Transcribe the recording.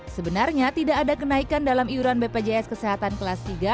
sebenarnya tidak ada kenaikan dalam iuran bpjs kesehatan kelas tiga